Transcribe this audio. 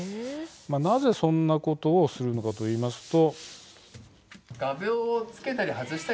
なぜ、そんなことをするのかといいますと。